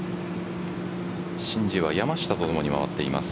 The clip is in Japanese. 申ジエは山下とともに回っています。